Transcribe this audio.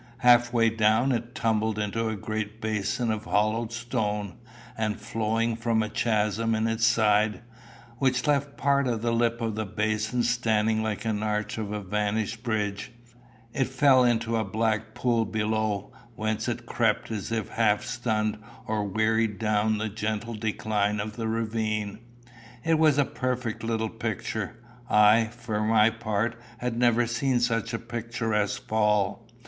Halfway down, it tumbled into a great basin of hollowed stone, and flowing from a chasm in its side, which left part of the lip of the basin standing like the arch of a vanished bridge, it fell into a black pool below, whence it crept as if half stunned or weary down the gentle decline of the ravine. It was a perfect little picture. I, for my part, had never seen such a picturesque fall.